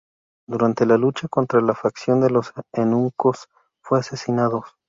Durante la lucha contra la facción de los eunucos, fue asesinado.